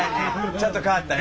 ちょっと変わったね。